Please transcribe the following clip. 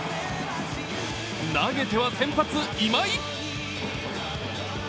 投げては先発・今井。